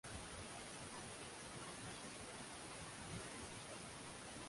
Urusi ni hasa ya kibara kutokana na umbo